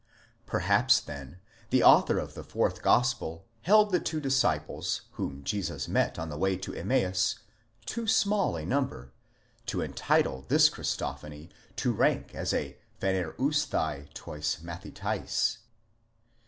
Perhaps, then, the author of the fourth gospel held the two disciples whom Jesus met on the way to Emmaus too small a number, to entitle this Christophany to rank as a φανεροῦσθαι τοῖς. μαθηταῖς.